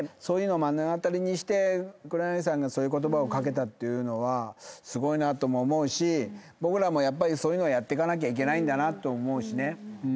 そういうのを目の当たりにして黒柳さんがそういう言葉を掛けたっていうのはすごいなとも思うし僕らもやっぱりそういうのをやってかなきゃいけないと思うし。